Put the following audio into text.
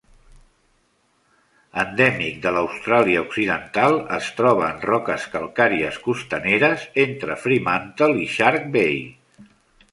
Endèmic de l'Austràlia Occidental, es troba en roques calcàries costaneres entre Fremantle i Shark Bay.